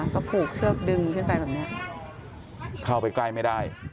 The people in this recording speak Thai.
ก็ผูกเชือกดึงขึ้นไปแบบนี้เข้าไปใกล้ไม่ได้